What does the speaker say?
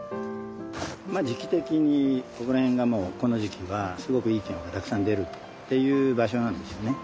まあ時期的にここら辺がもうこの時期はすごくいいきのこがたくさん出るっていう場所なんですよね。